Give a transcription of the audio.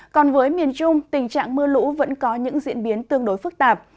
còn với miền trung tình trạng mưa lũ vẫn có những diễn biến tương đối phức tạp